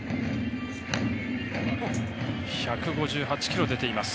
１５８キロ出ています。